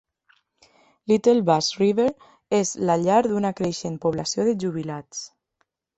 Little Bass River és la llar d'una creixent població de jubilats.